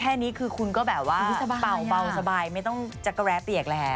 แค่นี้คือคุณก็แบบว่าเป่าสบายไม่ต้องจักรแร้เปียกแล้ว